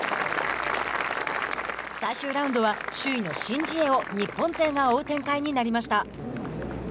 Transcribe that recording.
最終ラウンドは首位のシン・ジエを日本勢が追う展開になりました。